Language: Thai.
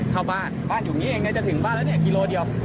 เข้าบ้านบ้านอยู่นี่เองจะถึงบ้านแล้วนี่กิโลเดียว